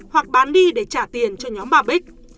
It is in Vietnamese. hoặc bán đi để trả tiền cho nhóm bà bích